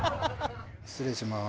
失礼します。